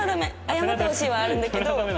「謝ってほしい」はあるんだけど。